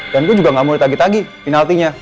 dan gue juga gak mau ditagi tagi penaltinya